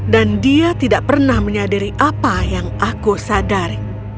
dan dia tidak pernah menyadari apa yang aku sadari